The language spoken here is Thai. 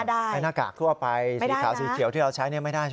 หน้ากากทั่วไปสีขาวสีเขียวที่เราใช้ไม่ได้